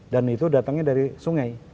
dan itu datangnya dari sungai